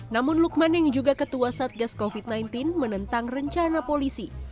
namun lukman yang juga ketua satgas covid sembilan belas menentang rencana polisi